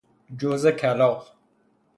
جوز کلاغ